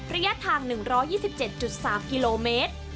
ระยะทาง๑๒๗๓กิโลเมตร